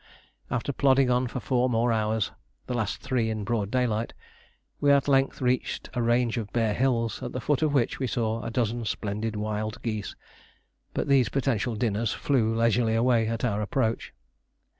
After plodding on for four more hours, the last three in broad daylight, we at length reached a range of bare hills, at the foot of which we saw a dozen splendid wild geese, but these potential dinners flew leisurely away at our approach.